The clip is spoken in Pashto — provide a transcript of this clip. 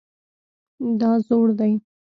دا زوړ دی